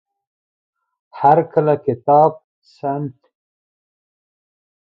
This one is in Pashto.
هر کله کتاب سنت کې شی نه مومم